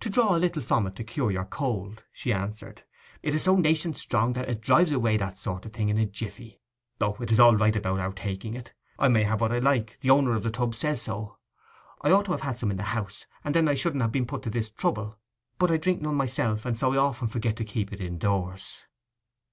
'To draw a little from it to cure your cold,' she answered. 'It is so 'nation strong that it drives away that sort of thing in a jiffy. O, it is all right about our taking it. I may have what I like; the owner of the tubs says so. I ought to have had some in the house, and then I shouldn't ha' been put to this trouble; but I drink none myself, and so I often forget to keep it indoors.